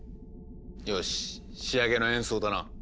よし仕上げの演奏だな。